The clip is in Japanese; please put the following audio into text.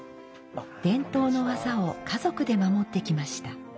伝統の技を家族で守ってきました。